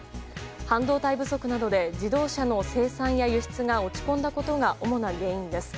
半導体不足などで自動車の生産や輸出が落ち込んだことが主な原因です。